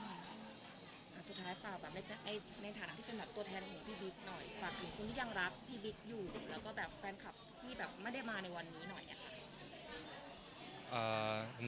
สุดท้ายฝากในฐานะที่เป็นตัวแทน